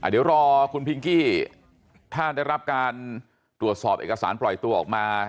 เดี๋ยวรอคุณพิงกี้ถ้าได้รับการตรวจสอบเอกสารปล่อยตัวออกมา